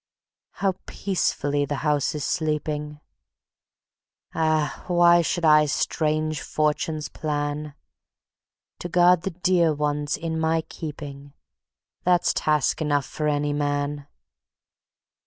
How peacefully the house is sleeping! Ah! why should I strange fortunes plan? To guard the dear ones in my keeping That's task enough for any man.